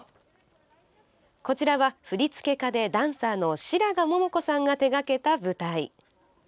こちらは、振付家でダンサーの白神ももこさんが手がけた舞台。